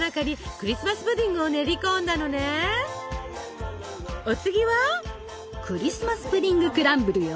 クリスマスプディング・クランブルよ！